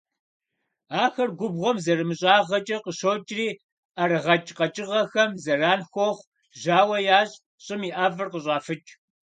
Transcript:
Ахэр губгъуэм зэрымыщӀагъэкӀэ къыщокӀри ӀэрыгъэкӀ къэкӀыгъэхэм зэран хуохъу, жьауэ ящӀ, щӀым и ӀэфӀыр къыщӀафыкӀ.